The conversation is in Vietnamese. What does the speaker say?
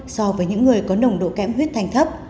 so với những người có nồng độ kẹm huyết thanh thấp